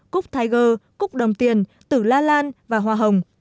cúc thaiger cúc đồng tiền tử la lan và hoa hồng